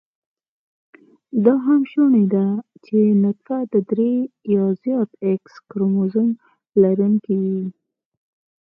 دا هم شونې ده چې نطفه د درې يا زیات x کروموزم لرونېکې وي